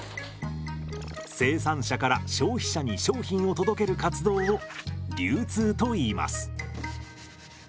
生産者から消費者に商品を届ける活動を流通といいます。